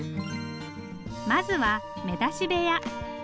まずは「めだし」部屋。